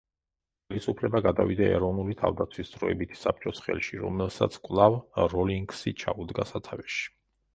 ხელისუფლება გადავიდა ეროვნული თავდაცვის დროებითი საბჭოს ხელში, რომელსაც კვლავ როლინგსი ჩაუდგა სათავეში.